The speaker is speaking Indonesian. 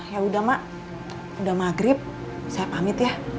yaudah mak udah maghrib saya pamit ya